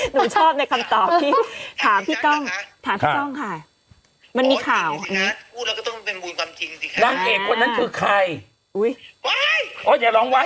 หนูชอบในคำตอบที่ถามพี่ก้องถามพี่ก้องค่ะมันมีข่าวนะ